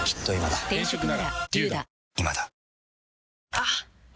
あっ！